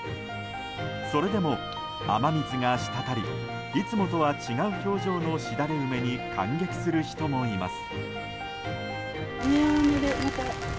それでも、雨水が滴りいつもとは違う表情のしだれ梅に感激する人もいます。